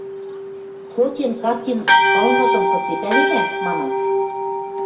– Фотен картин ылмыжым кыце пӓледа? – манам.